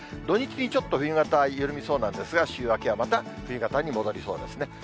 土日にちょっと冬型緩みそうなんですが、週明けはまた冬型に戻りそうですね。